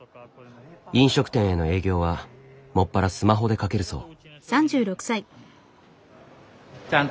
飲食店への営業はもっぱらスマホでかけるそう。